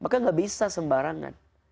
maka gak bisa sembarangan